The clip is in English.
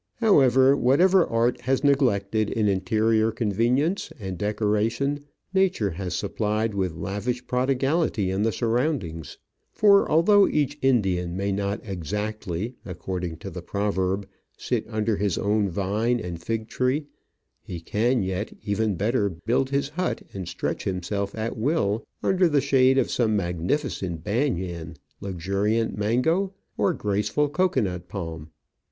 However, whatever art has neglected in interior convenience and decoration Nature has supplied with lavish prodigality in the surroundings. For, although each Indian may not exactly, according to the proverb, sit under his own vine and fig tree, he can yet, even Digitized by VjOOQIC 56 Travels and Adventures better, build his hut and stretch himself at will under the shade of some magnificent banyan, luxuriant mango, or graceful cocoanut palm.